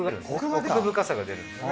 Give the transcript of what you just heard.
奥深さが出るんですね。